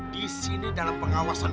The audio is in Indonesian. di sini dalam pengawasan